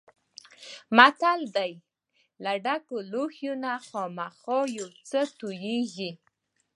متل دی: له ډک لوښي نه خامخا یو څه تویېږي.